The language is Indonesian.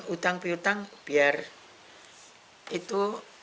utang piutang biar itu